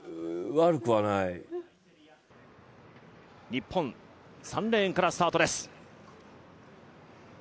日本、３レーンからスタートです。